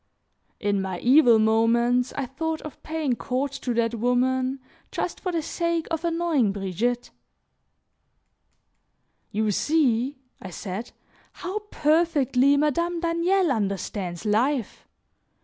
In my evil moments, I thought of paying court to that woman just for the sake of annoying Brigitte. "You see," I said, "how perfectly Madame Daniel understands life!